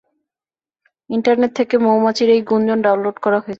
Internet থেকে মৌমাছির এই গুঞ্জন ডাউনলোড করা হয়েছে।